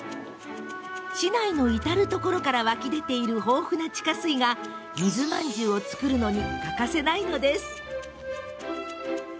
市内の至る所から湧き出ている豊富な地下水が水まんじゅうを作るのに欠かせないのです。